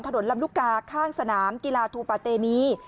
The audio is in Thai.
ลำลูกกาข้างสนามกีฬาทูปะเตมี